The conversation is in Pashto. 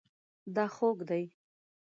دا خوږ دی